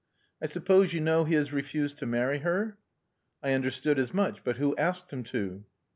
"I suppose you know he has refused to marry her?" "I understood as much. But who asked him to?"